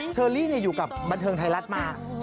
เชอรี่อยู่กับบันเทิงไทยรัฐมา